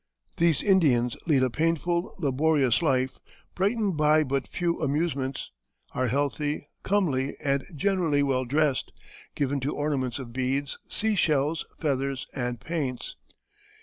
These Indians lead a painful, laborious life, brightened by but few amusements; are healthy, comely, and generally well dressed; given to ornaments of beads, sea shells, feathers, and paints.